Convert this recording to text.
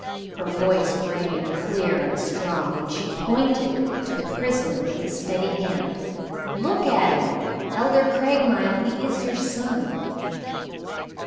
Her voice rang clear and strong, and she pointed to the prisoner with steady hand. "Look at him, Elder Craigmile; he is your son."